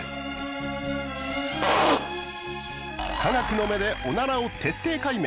科学の目でオナラを徹底解明。